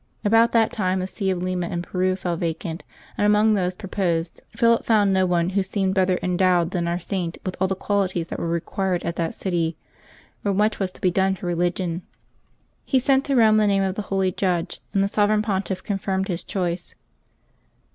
About that time the see of Lima, in Peru, fell vacant, and among those proposed Philip found 396 LIVES OF TEE SAINTS no one who seemed better endowed than our Saint with all the qualities that were required at that city, where much was to be done for religion. He sent to Rome the name of the holy judge, and the Sovereign Pontiff confirmed his choice.